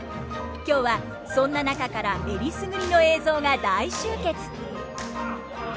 今日はそんな中から選りすぐりの映像が大集結！